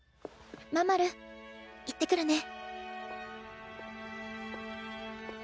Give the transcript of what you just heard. マンマルいってくるね。